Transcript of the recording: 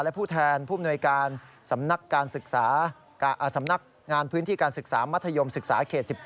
และผู้แทนผู้มนุยการสำนักงานพื้นที่การศึกษามัธยมศึกษาเขต๑๘